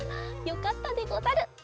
よかったでござる。